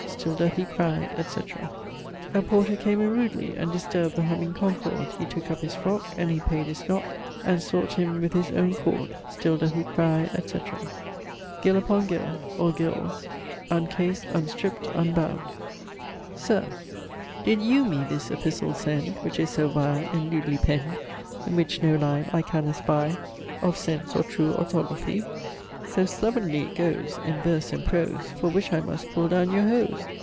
Still doth he cry, etc. A porter came in rudely And disturb'd the humming concord, He took up his frock And he payd his nock And sawc't him with his owne cord. Still doth he cry, etc. Gill upon Gill, or Gill's ... uncas'd, unstript, unbound. 'Sir, Did you me this epistle send, Which is so vile and lewdly pen'd, In which no line I can espie Of sense or true orthographie? So slovenly it goes, In verse and prose, For which I must pull down your hose.'